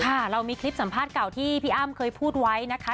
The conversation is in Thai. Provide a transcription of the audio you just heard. ค่ะเรามีคลิปสัมภาษณ์เก่าที่พี่อ้ำเคยพูดไว้นะคะ